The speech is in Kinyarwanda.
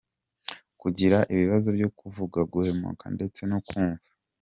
Kugira ibibazo byo kuvuga, guhumeka ndetse no kumva.